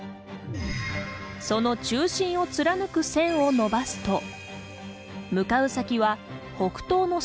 その中心を貫く線を延ばすと向かう先は、北東の空。